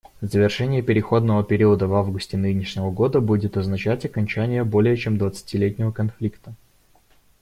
Завершение переходного периода в августе нынешнего года будет означать окончание более чем двадцатилетнего конфликта.